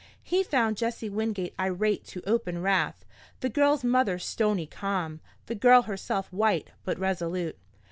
He found Jesse Wingate irate to open wrath, the girl's mother stony calm, the girl herself white but resolute.